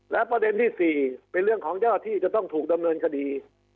และประเด็นที่๔เป็นเรื่องของเจ้าที่จะต้องถูกดำเนินคดี